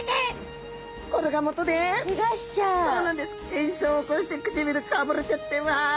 炎症を起こして唇かぶれちゃってうわ